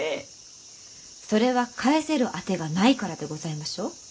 それは返せる当てがないからでございましょう？